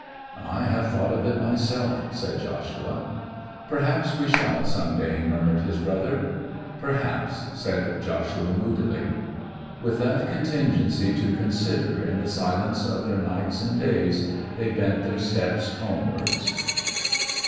'I have thought of it myself,' said Joshua. 'Perhaps we shall, some day,' murmured his brother. 'Perhaps,' said Joshua moodily. With that contingency to consider in the silence of their nights and days they bent their steps homewards.